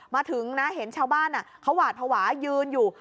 มาถึงนะเห็นชาวบ้านเขาหวาดภาวะยืนอยู่